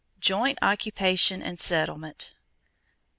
_Joint Occupation and Settlement.